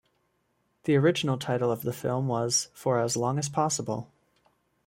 The original title of the film was "For as Long as Possible".